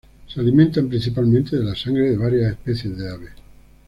Se alimentan principalmente de la sangre de varias especies de aves.